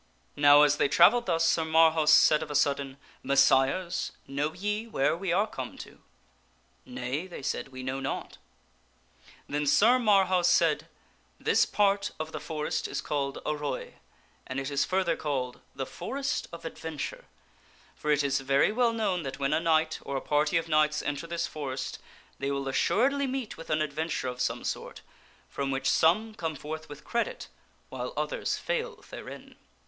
Now, as they travelled thus Sir Marhaus said of a sudden, " Messires, know ye where we are come to ?"" Nay," they said, " we know not." Then Sir Marhaus said, " This part of the forest is called knigkts'enter Arroy and it is further called ' The Forest of Adventure.' the Forest of p or ft j s verv we ll known that when a knight, or a party of Adventure. . J .*> knights enter this forest, they will assuredly meet with an adventure of some sort, from which some come forth with credit while others fail therein."